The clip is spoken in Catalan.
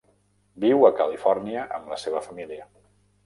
Viu a Califòrnia amb la seva família.